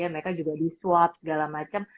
mereka juga di swab segala macam